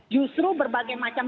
justru berbagai macam